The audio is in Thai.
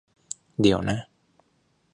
เดี๋ยวนะ !